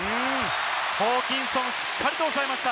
ホーキンソン、しっかりと抑えました。